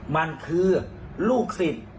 มันคือลูกศิษย์